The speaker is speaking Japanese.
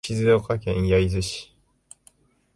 静岡県焼津市